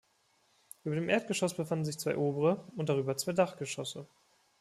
Über dem Erdgeschoss befanden sich zwei obere und darüber zwei Dachgeschosse.